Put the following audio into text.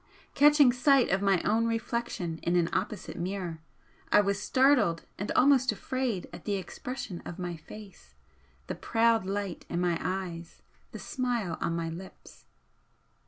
Catching sight of my own reflection in an opposite mirror, I was startled and almost afraid at the expression of my face, the proud light in my eyes, the smile on my lips.